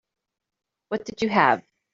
What did you have?